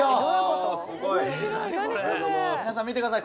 これこれ皆さん見てください